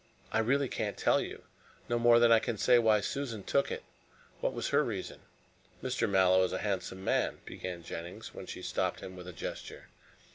"I really can't tell you, no more than I can say why Susan took it. What was her reason?" "Mr. Mallow is a handsome man " began Jennings, when she stopped him with a gesture.